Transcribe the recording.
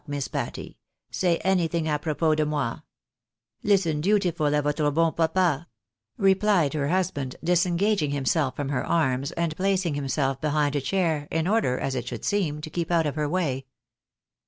Miss Patty, say anything h propos de moi. Listen, dutiful, a votre bon papa," replied her husband, disengaging liimself from her arms, and placing himself behind a chair, in order, as it should seem, to keep out of her way.